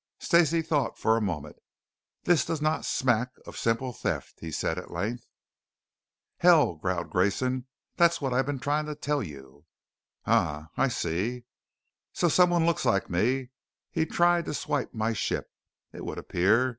Stacey thought for a moment. "This does not smack of simple theft," he said at length. "Hell," growled Grayson, "That's what I've been trying to tell you." "Um. I see " "So someone looks like me. He tried to swipe my ship, it would appear.